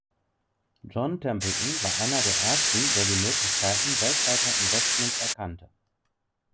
John Templeton war einer der ersten, der die Möglichkeiten weltweiter Investments erkannte.